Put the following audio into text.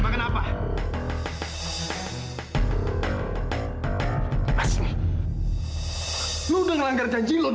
gua gak mau